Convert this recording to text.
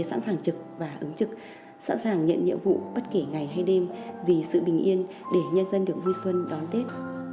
sẵn sàng trực và ứng trực sẵn sàng nhận nhiệm vụ bất kể ngày hay đêm vì sự bình yên để nhân dân được vui xuân đón tết